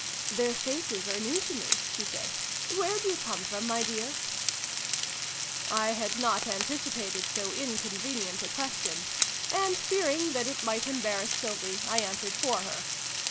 " Their faces are new to me," she said. " Where do you come from, my dear ?" I had not anticipated so inconvenient a question ; and, fearing that it might embarrass Sylvie, I answered for her.